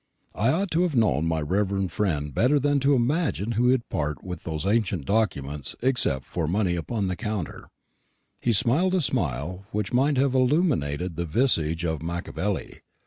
I ought to have known my reverend friend better than to imagine he would part with those ancient documents except for money upon the counter. He smiled a smile which might have illuminated the visage of Machiavelli.